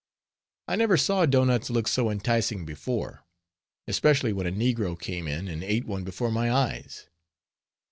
I never saw doughnuts look so enticing before; especially when a negro came in, and ate one before my eyes.